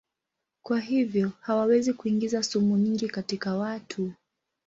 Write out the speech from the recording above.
Kwa hivyo hawawezi kuingiza sumu nyingi katika watu.